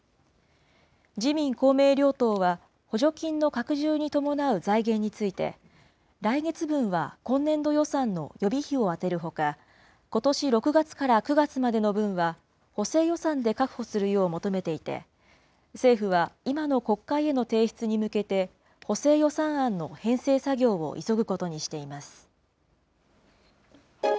自民、公明両党は、補助金の拡充に伴う財源について、来月分は今年度予算の予備費を充てるほか、ことし６月から９月までの分は、補正予算で確保するよう求めていて、政府は今の国会への提出に向けて、補正予算案の編成作業を急ぐことにしています。